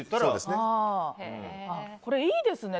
これ、いいですね。